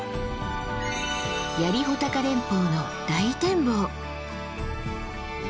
槍・穂高連峰の大展望。